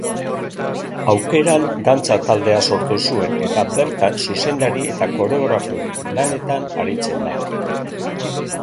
Aukeran dantza taldea sortu zuen eta bertan zuzendari eta koreografo lanetan aritzen da.